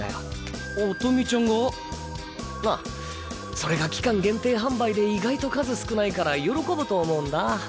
それが期間限定販売で意外と数少ないから喜ぶと思うんだ。